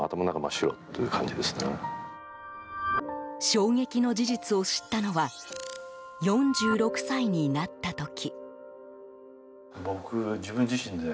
衝撃の事実を知ったのは４６歳になった時。